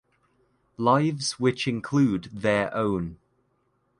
Lives which include their own.